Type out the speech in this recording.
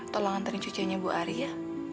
tolong anterin cucenya bu arya